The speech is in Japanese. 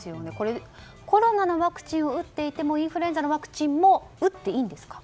コロナのワクチンを打っていてもインフルエンザのワクチンも打っていいんですか？